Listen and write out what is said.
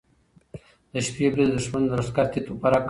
د شپې برید د دښمن لښکر تیت و پرک کړ.